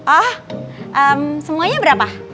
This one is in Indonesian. oh semuanya berapa